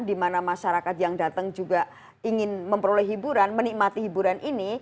di mana masyarakat yang datang juga ingin memperoleh hiburan menikmati hiburan ini